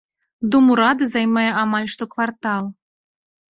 Дом урада займае амаль што квартал.